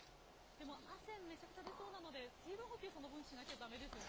でも汗めちゃくちゃ出そうなので水分補給をその分しないとだめですよね。